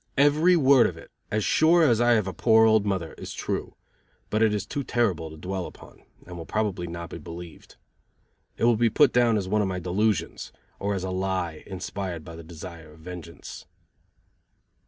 Every word of it, as sure as I have a poor old mother, is true, but it is too terrible to dwell upon, and will probably not be believed. It will be put down as one of my delusions, or as a lie inspired by the desire of vengeance.